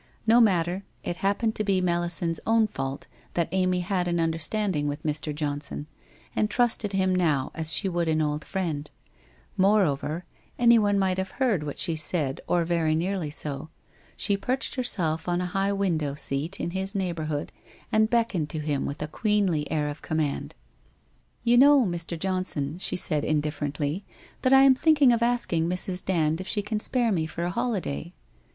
No matter, it happened to be Melisande's own fault that Amy had an understanding with Mr. Johnson, and trusted him now as she would an old friend. Moreover, anyone might have heard what she WHITE ROSE OF WEARY LEAF 365 said or very nearly so. She perched herself on a high window seat in his neighbourhood, and beckoned to him with a queenly air of command. ' You know, Mr. Johnson,' she said indifferently, ' that I am thinking of asking Mrs. Dand if she can spare me for a holiday?'